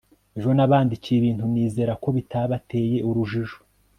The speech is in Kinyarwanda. Ejo nabandikiye ibintu nizera ko bitabateye urujijo